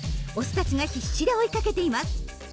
オスたちが必死で追いかけています。